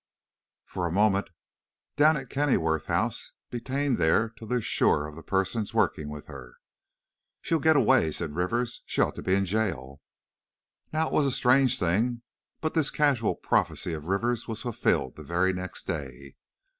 "For the moment, down at Kenilworth House. Detained there till they're sure of the persons working with her." "She'll get away," said Rivers, "she ought to be in jail." Now it was a strange thing, but this casual prophecy of Rivers' was fulfilled the very next day!